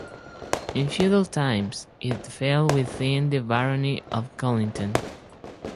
In feudal times, it fell within the barony of Colinton.